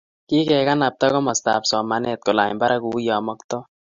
Kikekalbta komastab somanet kolany barak kouyo maktoi